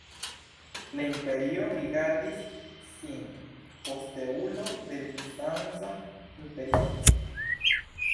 La imperio rigardis sin posteulo de Bizanca imperio.